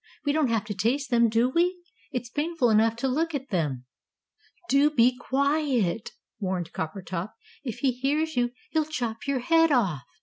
"We don't have to taste them, do we? It's painful enough to look at them." "Do be quiet!" warned Coppertop. "If he hears you he'll chop your head off!